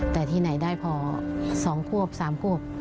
แต่ที่ไหนได้พอ๒ควบ๓ควบ